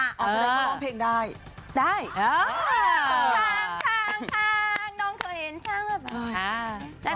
อ๋อแล้วเราก็ร้องเพลงได้